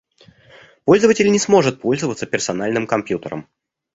Пользователь не сможет пользоваться персональным компьютером